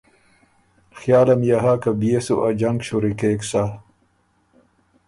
خیالم يې هۀ که بيې سو ا جنګ شوري کېک سَۀ۔